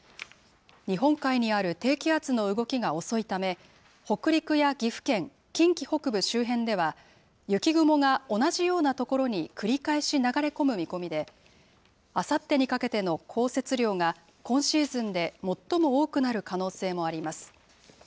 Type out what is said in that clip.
日本海にある低気圧の動きが遅いため、北陸や岐阜県、近畿北部周辺では、雪雲が同じような所に繰り返し流れ込む見込みで、あさってにかけての降雪量が今シーズンで最も多くなる可能性もあります。